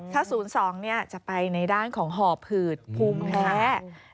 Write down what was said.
ถ้า๐๒จะไปในด้านของห่อผืดภูมิแพ้